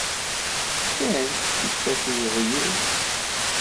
Fkan tiffaf i uɣyul.